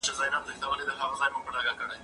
زه پرون د کتابتون لپاره کار کوم!.